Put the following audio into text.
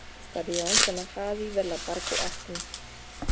Stadión se nachází vedle parku Aston.